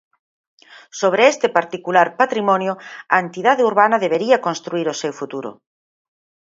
Sobre este particular patrimonio a entidade urbana debería construír o seu futuro.